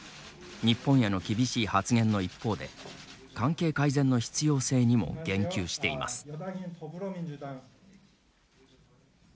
日本への厳しい発言の一方で関係改善の必要性にも言及しています。